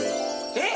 えっ！